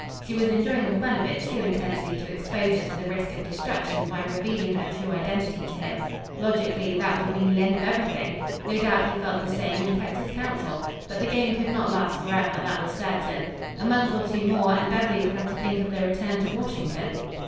She was enjoying the fun of it too intensely to expose it to the risk of destruction by revealing her true identity to him. Logically, that would mean the end of everything. No doubt he felt the same and kept his counsel. But the game could not last forever, that was certain. A month or two more, and Beverly would have to think of the return to Washington.